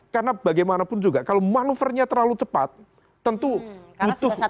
karena bagaimanapun juga kalau manuvernya terlalu cepat tentu butuh usaha